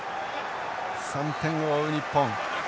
３点を追う日本。